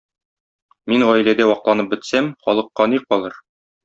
Мин гаиләдә вакланып бетсәм, халыкка ни калыр?